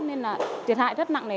nên là thiệt hại rất nặng nề